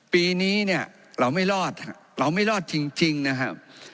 ปีนี้เนี่ยเราไม่รอดเราไม่รอดจริงนะครับ